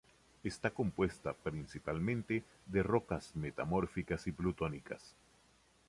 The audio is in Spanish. Está compuesta principalmente de rocas metamórficas y plutónicas.